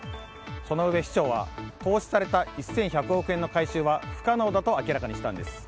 そのうえ市長は投資された１１００億円の回収は不可能だと明らかにしたんです。